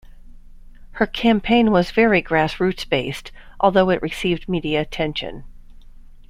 Her campaign was very grassroots-based, although it received media attention.